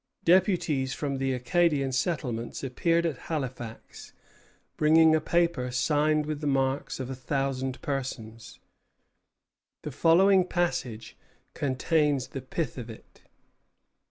Deputies from the Acadian settlements appeared at Halifax, bringing a paper signed with the marks of a thousand persons. The following passage contains the pith of it.